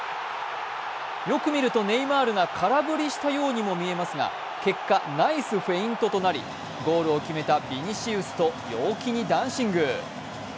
よく見るとネイマールが空振りしたようにも見えますが結果ナイスフェイントとなりゴールを決めたヴィニシウスと陽気にダンシング。